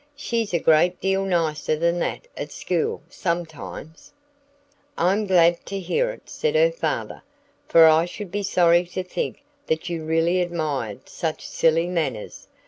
"She's a great deal nicer than that at school, sometimes." "I'm glad to hear it," said her father. "For I should be sorry to think that you really admired such silly manners.